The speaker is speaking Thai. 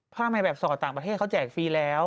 ทำไมแบบสอดต่างประเทศเขาแจกฟรีแล้ว